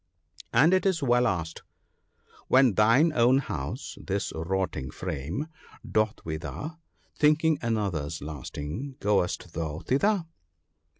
And it is well asked —" When thine own house, this rotting frame, doth wither, Thinking another's lasting — goest thou thither